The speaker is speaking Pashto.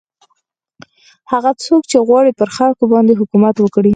هغه څوک چې غواړي پر خلکو باندې حکومت وکړي.